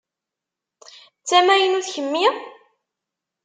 D tamaynutt kemmi?